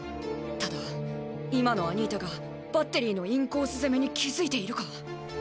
ただ今のアニータがバッテリーのインコース攻めに気付いているか。